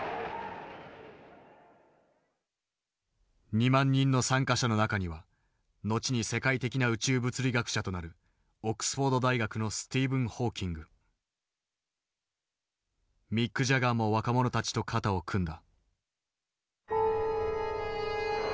２万人の参加者の中には後に世界的な宇宙物理学者となるオックスフォード大学のミック・ジャガーも若者たちと肩を組んだ。